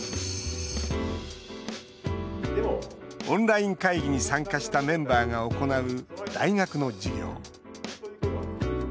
オンライン会議に参加したメンバーが行う、大学の授業。